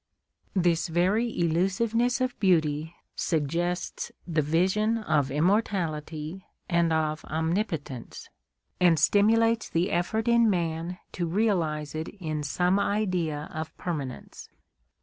This very elusiveness of beauty suggests the vision of immortality and of omnipotence, and stimulates the effort in man to realise it in some idea of permanence.